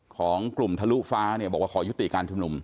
ของกลุ่มทะลุฟ้าเนี่ยบอกว่าขอยุติการชุมนุม